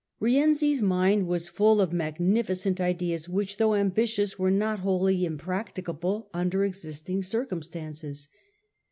Rienzi's mind was full of magnificent ideas, which Rienzi's though ambitious were not wholly impracticable under ^'^^^ existing circumstances.